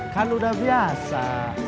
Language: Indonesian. kan udah biasa